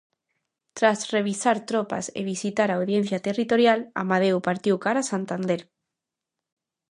Tras revistar tropas e visitar a Audiencia Territorial, Amadeo partiu cara a Santander.